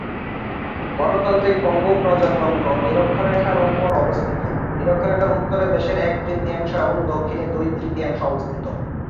গণতান্ত্রিক কঙ্গো প্রজাতন্ত্র নিরক্ষরেখার উপর অবস্থিত, নিরক্ষরেখার উত্তরে দেশের এক-তৃতীয়াংশ এবং দক্ষিণে দুই-তৃতীয়াংশ অবস্থিত।